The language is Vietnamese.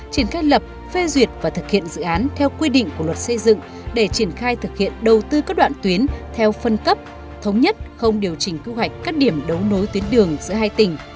triển khai lập phê duyệt và thực hiện dự án theo quy định của luật xây dựng để triển khai thực hiện đầu tư các đoạn tuyến theo phân cấp thống nhất không điều chỉnh quy hoạch các điểm đấu nối tuyến đường giữa hai tỉnh